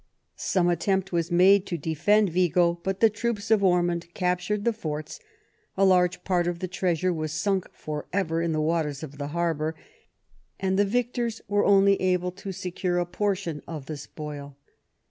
Some attempt was made to defend Vigo, but the troops of Ormond captured the forts, a large part of the treasure was sunk forever in the waters of the harbor, and the victors were only able to secure a portion of the spoil.